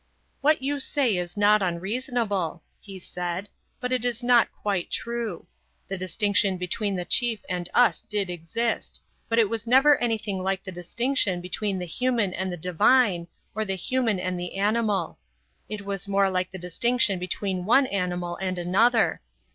"What you say is not unreasonable," he said. "But it is not quite true. The distinction between the chief and us did exist; but it was never anything like the distinction between the human and the divine, or the human and the animal. It was more like the distinction between one animal and another.